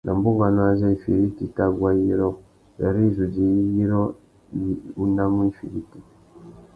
Nà bunganô azê « ifiriti i tà guá yirô » wêrê i zu djï yirô wí unamú ifiriti.